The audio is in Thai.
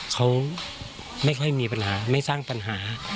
เขาไม่ค่อยมีปัญหาไม่สร้างปัญหา